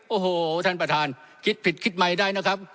โอ้โหท่านประธานคิดผิดคิดใหม่ได้นะครับ